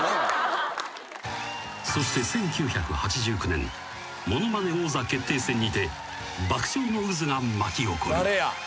［そして１９８９年『ものまね王座決定戦』にて爆笑の渦が巻き起こる］